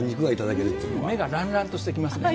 目がらんらんとしてきますね。